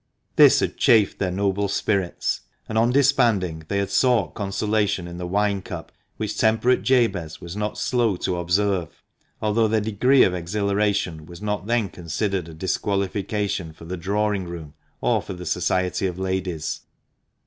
This had chafed their noble spirits, and on disbanding they had sought consolation in the wine cup, which temperate Jabez was not slow to observe, although their degree oi exhilaration was not then considered a disqualification for the drawing room or for the society of ladies.